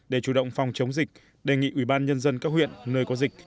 để chủ động phòng chống dịch đề nghị ủy ban nhân dân các huyện nơi có dịch